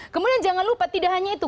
kemudian jangan lupa tidak hanya itu